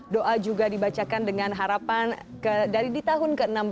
doa juga dibacakan dengan harapan dari di tahun ke enam belas